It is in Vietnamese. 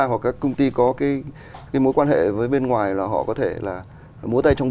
hoặc các công ty có